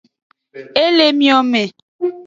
E le emiome.